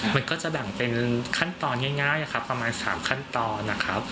มันก็จะแบ่งเป็นขั้นตอนง่ายครับประมาณ๓ขั้นตอนนะครับ